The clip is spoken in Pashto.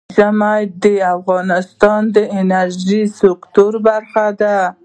ژمی د افغانستان د انرژۍ سکتور برخه ده.